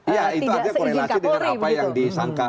iya itu artinya korelasi dengan apa yang disangka